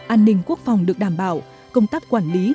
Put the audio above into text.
an ninh quốc phòng được đảm bảo công tác quản lý